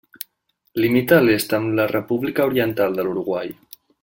Limita a l'est amb la República Oriental de l'Uruguai.